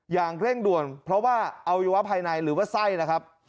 อย่างเร่งด่วนเพราะว่าอวัยวะภายในหรือว่าไส้นะครับ